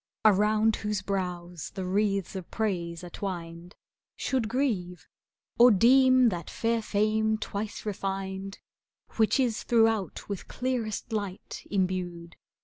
Around whose brows the wreaths of praise are twined, Should grieve, or deem that fair fame twice refined, ^ Which is throughout with clearest light imbued.